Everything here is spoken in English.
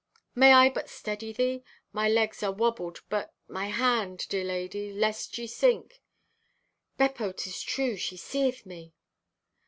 May I but steady thee? My legs are wobbled but—my hand, dear lady, lest ye sink. ("Beppo, 'tis true she seeth me!)